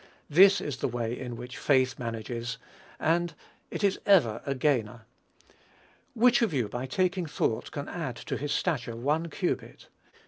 This is the way in which faith manages, and it is ever a gainer. "Which of you, by taking thought, can add to his stature one cubit?"